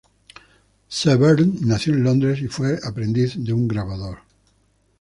Severn nació en Londres y fue aprendiz de un grabador.